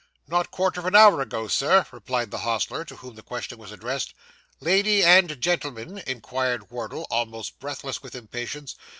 'Not a quarter of an hour ago, sir,' replied the hostler, to whom the question was addressed. 'Lady and gentleman?' inquired Wardle, almost breathless with impatience.